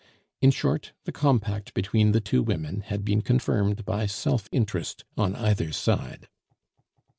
In short, the compact between the two women had been confirmed by self interest on either side.